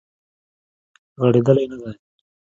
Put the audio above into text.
غړیدلې نه دی